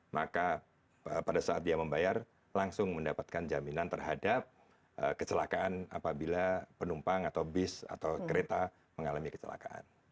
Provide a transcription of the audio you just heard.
maka pada saat dia membayar langsung mendapatkan jaminan terhadap kecelakaan apabila penumpang atau bis atau kereta mengalami kecelakaan